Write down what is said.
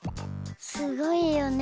すごいよね。